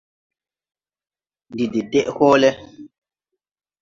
Ndi de deʼ hɔɔlɛ.